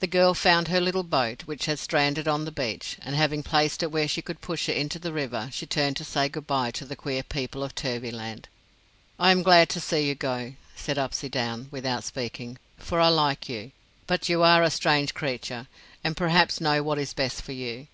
The girl found her little boat, which had stranded on the beach, and having placed it where she could push it into the river, she turned to say good by to the queer people of Turvyland. "I am glad to see you go," said Upsydoun, without speaking, "for I like you. But you are a strange creature, and perhaps know what is best for you.